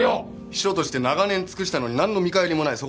秘書として長年尽くしたのになんの見返りもない。